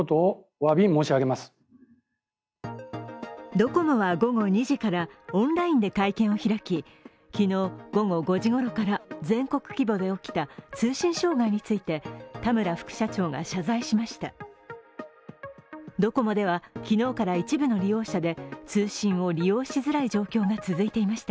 ドコモは、午後２時からオンラインで会見を開き昨日午後５時ごろから全国規模で起きた通信障害について田村副社長が謝罪しました。